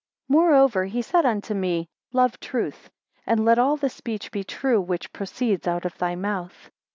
MOREOVER he said unto me love truth; and let all the speech be true which proceeds out of thy mouth.